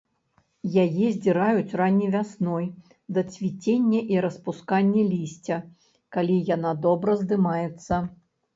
Яе здзіраюць ранняй вясной, да цвіцення і распускання лісця, калі яна добра здымаецца.